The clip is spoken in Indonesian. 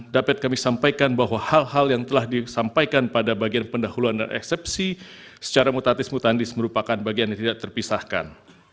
dapat kami sampaikan bahwa hal hal yang telah disampaikan pada bagian pendahuluan dan eksepsi secara mutatis mutandis merupakan bagian yang tidak terpisahkan